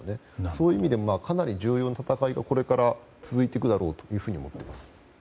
そういう意味でもかなり重要な戦いがこれから続いていくだろうと思っています。